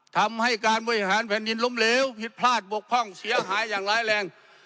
ทำให้การบริหารแผ่นดินล้มเหลวผิดพลาดบกพร่องเสียหายอย่างร้ายแรง